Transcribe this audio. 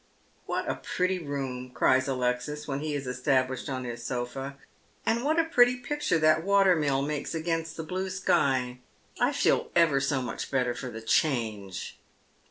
" What a pretty room !" cries Alexis, when he is established on his sofa, " and what a pretty picture that water mill makes against the blue sky 1 I feel ever so much better for the change."